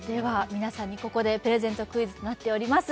皆さんにここでプレゼントクイズとなっております